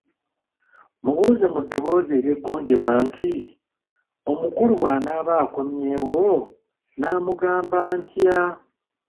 Mubuuze mu ddoboozi eryeggonjebwa nti, "Omukulu bwanaaba akomyewo nnaamugamba ntya?